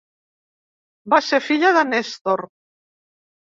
Va ser filla de Nèstor.